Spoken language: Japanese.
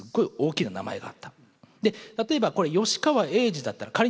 で例えばこれ吉川英治だったら仮にですよ